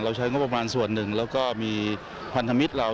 ใช้งบประมาณส่วนหนึ่งแล้วก็มีพันธมิตรเรา